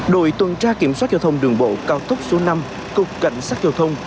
đội tuần tra kiểm soát giao thông đường bộ cao tốc số năm cục cảnh sát giao thông